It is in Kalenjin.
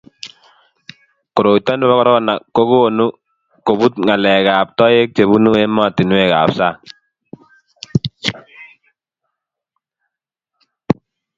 koroito nebo korona ko konu kobut ngalek ab taek chebunu ematunuek ab sang